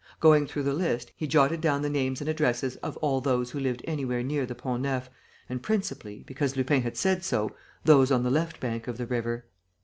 Going through the list, he jotted down the names and addresses of all those who lived anywhere near the Pont Neuf and principally because Lupin had said so those on the left bank of the river.